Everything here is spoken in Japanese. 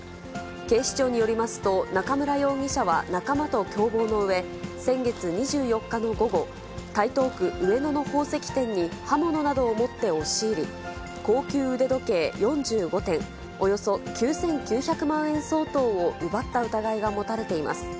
警視庁によりますと、中村容疑者は仲間と共謀のうえ、先月２４日の午後、台東区上野の宝石店に刃物などを持って押し入り、高級腕時計４５点、およそ９９００万円相当を奪った疑いが持たれています。